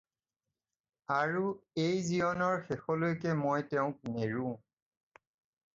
আৰু এই জীৱনৰ শেষলৈকে মই তেওঁক নেৰোঁ।